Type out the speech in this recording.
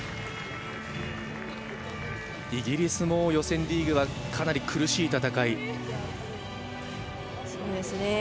イギリスも予選リーグはかなり苦しい戦いでした。